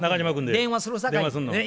電話するさかい。